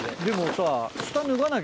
でもさ。